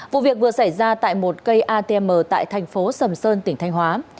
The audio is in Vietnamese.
vụ việc vừa xảy ra tại một cây atm tại thành phố sầm sơn tỉnh thanh hóa